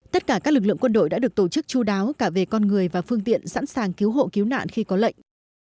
tất cả các lực lượng quân đội đã được tổ chức chú đáo cả về con người và phương tiện sẵn sàng cứu hộ cứu nạn khi có lệnh